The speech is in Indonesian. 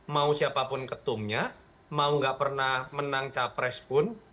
mau siapapun ketumnya mau gak pernah menang capres pun